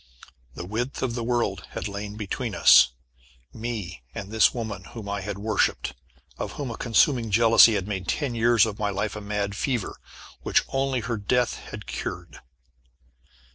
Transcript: The width of the world had lain between us, me and this woman whom I had worshipped, of whom a consuming jealousy had made ten years of my life a mad fever, which only her death had cured.